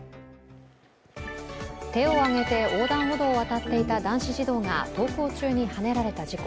手を上げて横断歩道を渡っていた男子児童が登校中にはねられた事故。